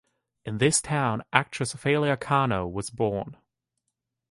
In this town actress Ofelia Cano was born.